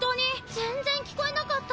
全然聞こえなかった。